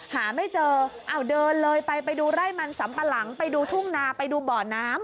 หาไม่เจอเอาเดินเลยไปไปดูไร่มันสัมปะหลังไปดูทุ่งนาไปดูบ่อน้ำ